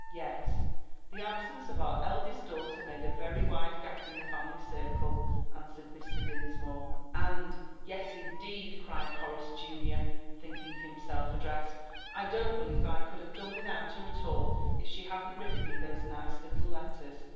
"Yes; the absence of our eldest daughter made a very wide gap in the family circle," answered Mr. Dinsmore. And "Yes, indeed!" cried Horace junior, thinking himself addressed. "I don't believe I could have done without her at all if she hadn't written me those nice little letters."